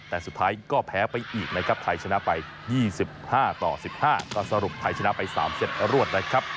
แต่สุดท้ายก็แพ้ไปอีกนะครับไทยชนะไป๒๕ต่อ๑๕ก็สรุปไทยชนะไป๓เซตรวดนะครับ